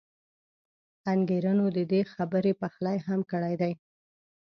انګېرنو د دې خبرې پخلی هم کړی دی.